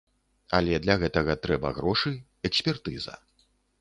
Але для гэтага трэба грошы, экспертыза.